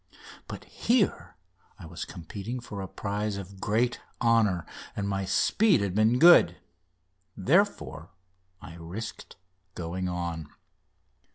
But here I was competing for a prize of great honour, and my speed had been good. Therefore I risked going on.